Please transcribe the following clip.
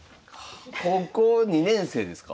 高校２年生ですか？